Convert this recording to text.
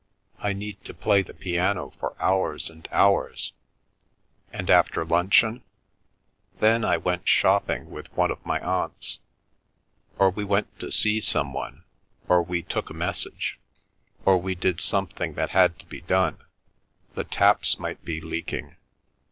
"I need to play the piano for hours and hours." "And after luncheon?" "Then I went shopping with one of my aunts. Or we went to see some one, or we took a message; or we did something that had to be done—the taps might be leaking.